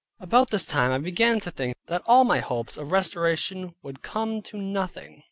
About this time I began to think that all my hopes of restoration would come to nothing.